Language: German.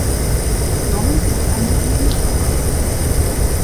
Dong ist eine Tonsprache.